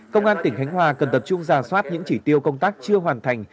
công an tỉnh khánh hòa cần tập trung giả soát những chỉ tiêu công tác chưa hoàn thành